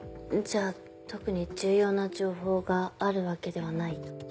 じゃあ特に重要な情報があるわけではないと。